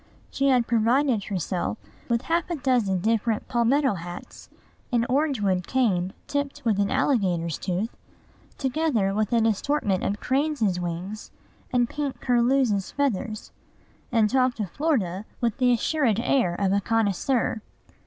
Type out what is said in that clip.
She had provided herself with half a dozen different palmetto hats, an orange wood cane tipped with an alligator's tooth, together with an assortment of cranes' wings and pink curlews' feathers, and talked of Florida with the assured air of a connoisseur.